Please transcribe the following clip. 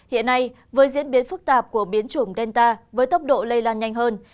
hiện nay với diễn biến phức tạp của biến chủng delta với tốc độ lây lan nhanh hơn